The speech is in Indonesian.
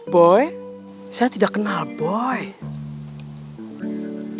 boy saya tidak kenal boy